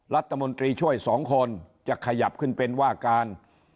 รัฐมนตรีช่วยสองคนจะขยับขึ้นเป็นว่าการ